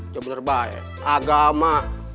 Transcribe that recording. jangan berbahaya agama